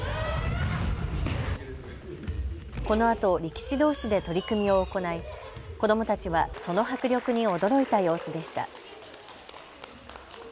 このあと、力士どうしで取組を行い子どもたちはその迫力に驚いた様子でした。